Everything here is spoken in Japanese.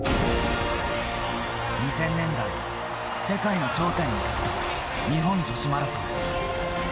２０００年代世界の頂点に立った日本女子マラソン。